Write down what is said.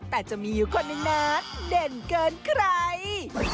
แต่จะมีคนในนั้นเด่นเกินใคร